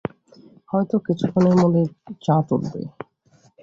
হয়তো কিছুক্ষণের মধ্যেই চাঁদ উঠবে।